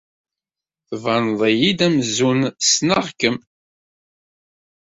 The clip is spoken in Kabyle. Tettbaned-iyi-d amzun ssneɣ-kem.